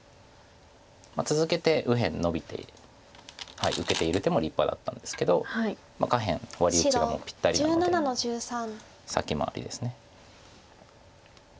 続けて右辺ノビて受けている手も立派だったんですけど下辺ワリ打ちがぴったりなので先回りです。